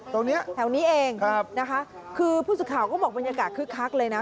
ตรงนี้แถวนี้เองนะคะคือผู้สื่อข่าวก็บอกบรรยากาศคึกคักเลยนะ